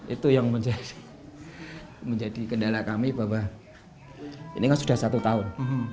itu yang menjadi kendala kami bahwa ini kan sudah satu tahun